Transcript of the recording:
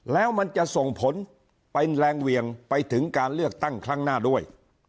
แล้วมันจะส่งผลเป็นแรงเหวี่ยงไปถึงการเลือกตั้งครั้งหน้าด้วย